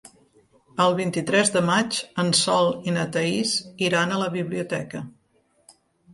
El vint-i-tres de maig en Sol i na Thaís iran a la biblioteca.